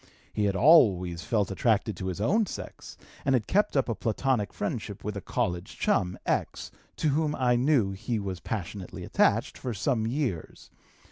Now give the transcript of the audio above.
He had always felt attracted to his own sex, and had kept up a Platonic friendship with a college chum, X (to whom I knew he was passionately attached), for some years.